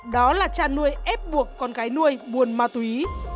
đó là chăn nuôi ép buộc con gái nuôi buồn ma túy